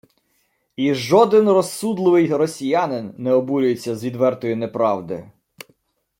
І жоден розсудливий росіянин не обурюється з відвертої неправди